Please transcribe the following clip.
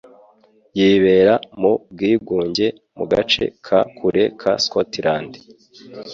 Yibera mu bwigunge mu gace ka kure ka Scotland